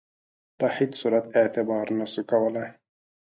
په هیڅ صورت اعتبار نه سو کولای.